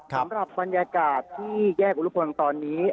สำหรับบรรยากาศที่แยกอุรุพลตอนนี้